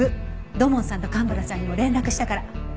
土門さんと蒲原さんにも連絡したから。